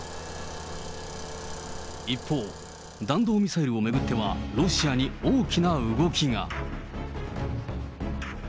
一方、弾道ミサイルを巡っては、ロシアに大きな動きが。